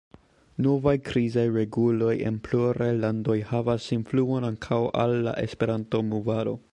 Novaj krizaj reguloj en pluraj landoj havas influon ankaŭ al la Esperanto-movado.